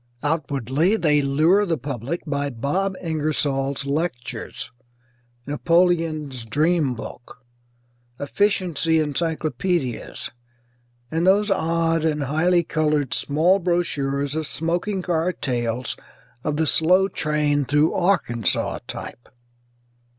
Outwardly they lure the public by Bob Ingersoll's lectures, Napoleon's Dream Book, efficiency encyclopædias and those odd and highly coloured small brochures of smoking car tales of the Slow Train Through Arkansaw type.